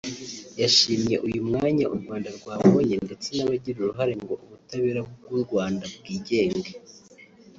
yashimye uyu mwanya u Rwanda rwabonye ndetse n’abagira uruhare ngo ubutabera bw’u Rwanda bwigenge